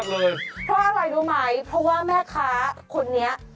เพราะว่าอะไรดูหมายเพราะว่าแม่ค้าคุณนี้